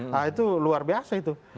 nah itu luar biasa itu